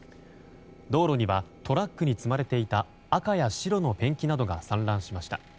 道路にはトラックに積まれていた赤や白のペンキなどが散乱しました。